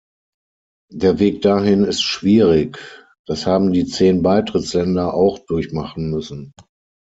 Der Weg dahin ist schwierig, das haben die zehn Beitrittsländer auch durchmachen müssen.